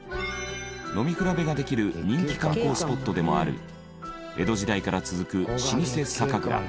飲み比べができる人気観光スポットでもある江戸時代から続く老舗酒蔵